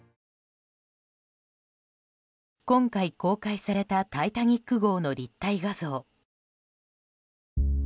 今回、公開された「タイタニック号」の立体画像。